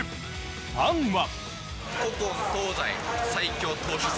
ファンは。